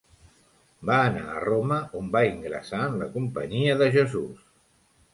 Va anar a Roma on va ingressar en la Companyia de Jesús.